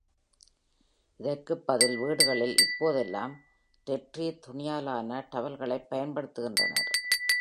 இதற்குப் பதில் வீடுகளில் இப்போதெல்லாம் டெர்ரி துணியாலான டவல்களைப் பயன்படுதுகின்றனர்.